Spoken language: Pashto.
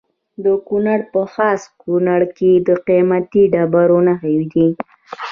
د کونړ په خاص کونړ کې د قیمتي ډبرو نښې دي.